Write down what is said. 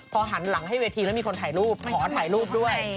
พอหันหลังให้เวทีแล้วมีคนถ่ายรูปขอถ่ายรูปด้วย